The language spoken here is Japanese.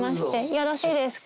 よろしいですか？